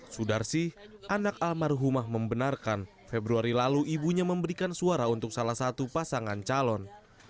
sudarsi anak almarhumah membenarkan februari lalu ibunya memberikan suara untuk salah satu pasangan calon